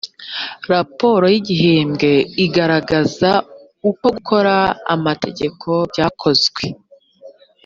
raporo y’igihembwe igaragaza uko gukora amategeko byakozwe